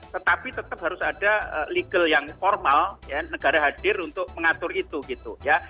tetapi tetap harus ada legal yang formal ya negara hadir untuk mengatur itu gitu ya